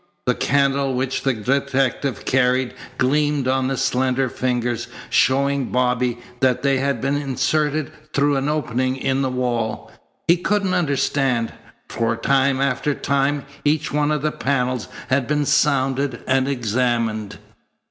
The candle which the detective carried gleamed on the slender fingers, showing Bobby that they had been inserted through an opening in the wall. He couldn't understand, for time after time each one of the panels had been sounded and examined.